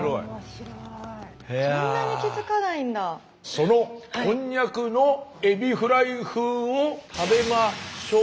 そのコンニャクのエビフライ風を食べましょう。